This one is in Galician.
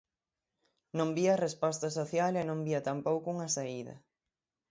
Non vía resposta social e non vía tampouco unha saída.